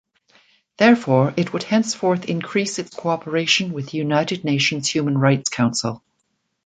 Therefore, it would henceforth increase its cooperation with the United Nations Human Rights Council.